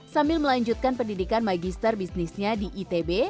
sambil melanjutkan pendidikan magister bisnisnya di itb